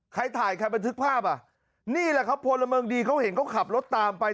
ใครถ่ายใครบันทึกภาพอ่ะนี่แหละครับพลเมืองดีเขาเห็นเขาขับรถตามไป